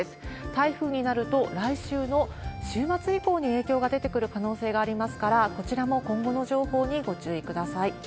台風になると、来週の週末以降に影響が出てくる可能性がありますから、こちらも今後の情報にご注意ください。